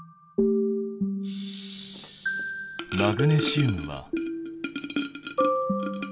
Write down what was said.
マグネシウムは。